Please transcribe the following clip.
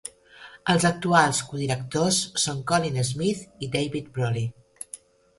Els actuals codirectors són Colin Smith i David Brolly.